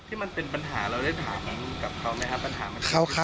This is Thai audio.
ที่มันเป็นปัญหาเราได้ถามกับเขาไหมครับ